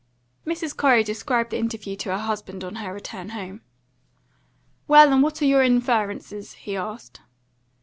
Mrs. Corey described the interview to her husband on her return home. "Well, and what are your inferences?" he asked.